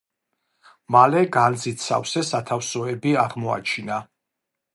მალე განძით სავსე სათავსოები აღმოაჩინა.